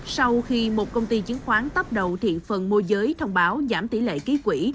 sau khi một công ty chứng khoán tắp đầu thiện phần môi giới thông báo giảm tỷ lệ ký quỷ